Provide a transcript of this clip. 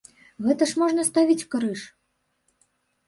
Гэта ж можна ставіць крыж!